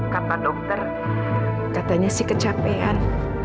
kata dokter katanya sih kecapean